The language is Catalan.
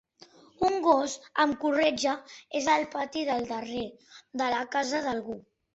Un gos amb corretja és al pati del darrere de la casa d'algú.